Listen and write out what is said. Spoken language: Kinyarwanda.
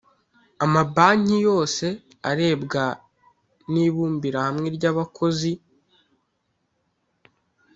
amabanki yose arebwa n ibumbirahamwe ry abakozi